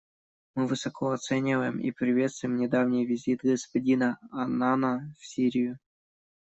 Мы высоко оцениваем и приветствуем недавний визит господина Аннана в Сирию.